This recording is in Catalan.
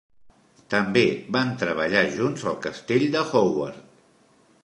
També van treballar junts al Castell de Howard.